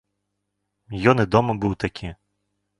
Ён і дома быў такі.